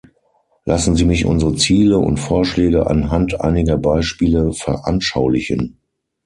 Lassen Sie mich unsere Ziele und Vorschläge anhand einiger Beispiele veranschaulichen.